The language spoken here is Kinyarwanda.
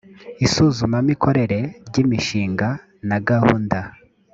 isuzumamikorere ry imishinga na gahunda